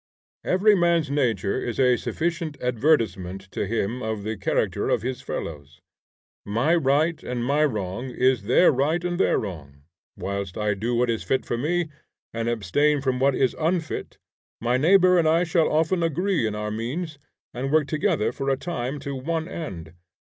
Every man's nature is a sufficient advertisement to him of the character of his fellows. My right and my wrong is their right and their wrong. Whilst I do what is fit for me, and abstain from what is unfit, my neighbor and I shall often agree in our means, and work together for a time to one end.